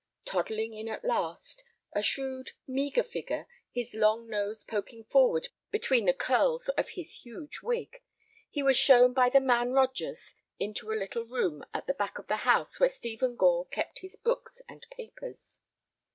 Toddling in at last—a shrewd, meagre figure, his long nose poking forward between the curls of his huge wig—he was shown by the man Rogers into a little room at the back of the house where Stephen Gore kept his books and papers.